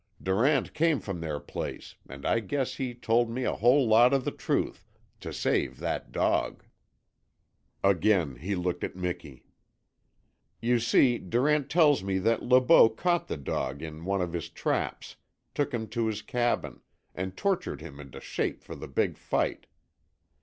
Durant came from their place, and I guess he told me a whole lot of the truth to save that dog." Again he looked at Miki. "You see, Durant tells me that Le Beau caught the dog in one of his traps, took him to his cabin, and tortured him into shape for the big fight.